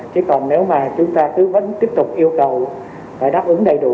chỉ còn nếu mà chúng ta cứ vẫn tiếp tục yêu cầu phải đáp ứng đầy đủ